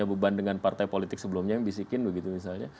ada beban dengan partai politik sebelumnya yang bisikin begitu misalnya